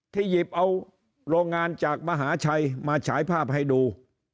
หยิบเอาโรงงานจากมหาชัยมาฉายภาพให้ดู